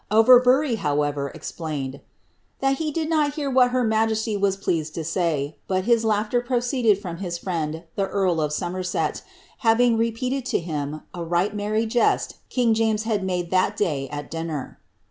Overbury, however, explained, ^ that he did not hear what her majesty was pleased to say, but his laughter proceeded from his friend the earl of Somerset, having repeated to him a right merry jest king James had made that day at dinner.'